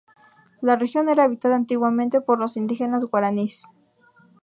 La región era habitada antiguamente por los indígenas guaraníes.